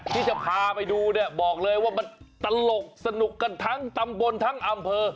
ที่จะพาไปดูเนี่ยบอกเลยว่ามันตลกสนุกกันทั้งตำบลทั้งอำเภอ